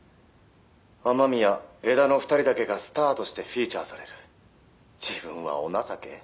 「雨宮江田の２人だけがスターとしてフィーチャーされる」「自分はお情け？